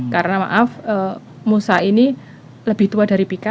karena maaf musa ini lebih tua dari pika